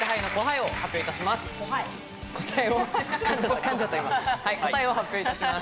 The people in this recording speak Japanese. はい答えを発表いたします